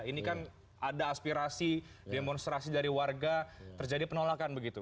ini kan ada aspirasi demonstrasi dari warga terjadi penolakan begitu